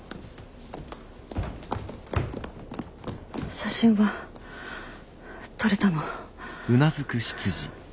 写真は撮れたの？